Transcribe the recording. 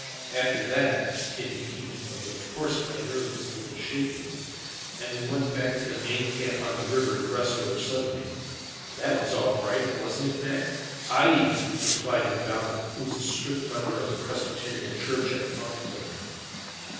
"After that," continued Hemenway, "of course my nerve was a little shaken, and we went back to the main camp on the river, to rest over Sunday. That was all right, wasn't it, Mac!" "Aye!" replied McLeod, who was a strict member of the Presbyterian church at Moncton.